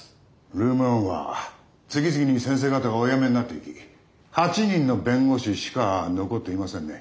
ルーム１は次々に先生方がお辞めになっていき８人の弁護士しか残っていませんね。